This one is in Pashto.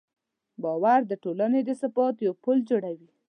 باور د ټولنې د ثبات پل جوړوي.